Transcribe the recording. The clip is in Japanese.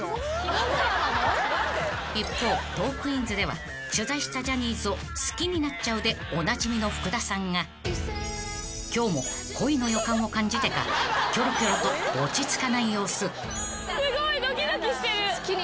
［一方トークィーンズでは取材したジャニーズを好きになっちゃうでおなじみの福田さんが今日も恋の予感を感じてかキョロキョロと落ち着かない様子］